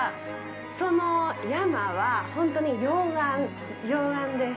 その山は、本当に溶岩、溶岩です。